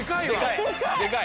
でかい！